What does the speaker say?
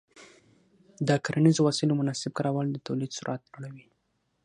د کرنیزو وسایلو مناسب کارول د تولید سرعت لوړوي.